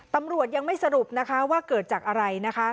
ตำรวจยังไม่สรุปนะคะว่าเกิดจากอะไรนะคะ